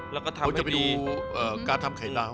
แล้วก็เราจะไปดูการทำไข่ดาว